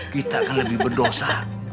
kita akan lebih berdosa